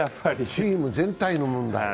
チーム全体の問題。